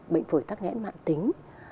bệnh phủy tắc nghẽ mạng tính